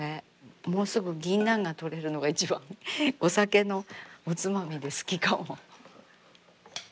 もうすぐ銀杏がとれるのが一番お酒のおつまみで好きかも。